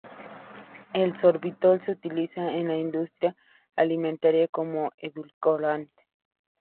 El sorbitol se utiliza en la industria alimentaria como edulcorante.